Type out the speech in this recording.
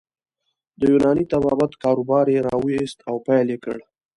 د یوناني طبابت کاروبار يې راویست او پیل یې کړ.